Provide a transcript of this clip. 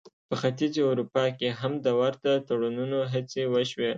په ختیځې اروپا کې هم د ورته تړونونو هڅې وشوې.